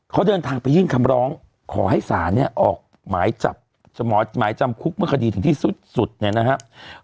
เขาเดินทางไปยื่นคำร้องขอให้ศาลเนี่ยออกหมายจับหมายจำคุกเมื่อคดีถึงที่สุดเนี่ยนะครับ